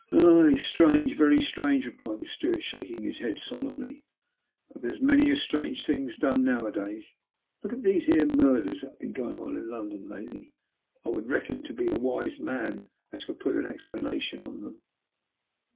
" Aye, strange ; very strange," replied the steward, shaking his head solemnly; "but there's many strange things done now a days. Look at these here murders that have been going on in London lately. I reckon it would be a wise man as could put an expla nation on them."